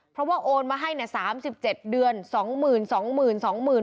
เพราะว่าโอนมาให้นะสามสิบเจ็ดเดือนสองหมื่นสองหมื่นสองหมื่น